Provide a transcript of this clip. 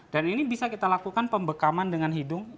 dan ini bisa kita lakukan pembekaman dengan hidung